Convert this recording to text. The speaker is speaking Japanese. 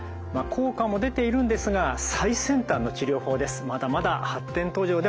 効果も出ているんですが最先端の治療法ですまだまだ発展途上でもあります。